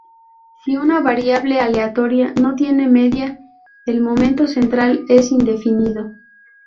Si una variable aleatoria no tiene media el momento central es indefinido.